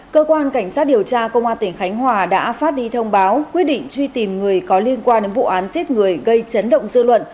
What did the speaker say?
cơ quan cảnh sát điều tra công an tỉnh khánh hòa đã phát đi thông báo quyết định truy tìm người có liên quan đến vụ án giết người gây chấn động dư luận